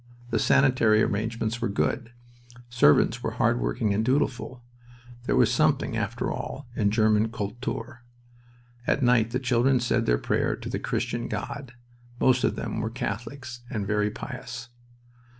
The sanitary arrangements were good. Servants were hard working and dutiful. There was something, after all, in German Kultur. At night the children said their prayer to the Christian God. Most of them were Catholics, and very pious.